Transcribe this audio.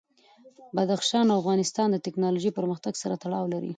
بدخشان د افغانستان د تکنالوژۍ پرمختګ سره تړاو لري.